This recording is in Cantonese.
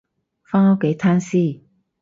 返屋企攤屍